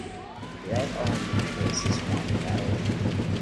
Red Army forces won the battle.